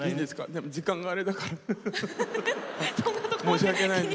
申し訳ない。